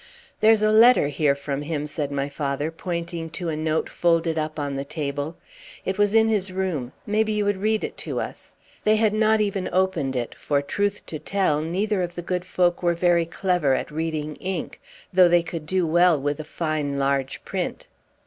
"There's a letter here from him," said my father, pointing to a note folded up on the table; "it was in his room. Maybe you would read it to us." They had not even opened it; for, truth to tell, neither of the good folk were very clever at reading ink, though they could do well with a fine large print.